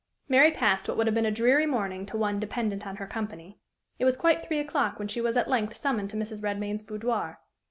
Mary passed what would have been a dreary morning to one dependent on her company. It was quite three o'clock when she was at length summoned to Mrs. Redmain's boudoir.